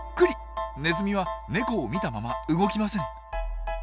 ネズミはネコを見たまま動きません。